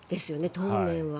当面は。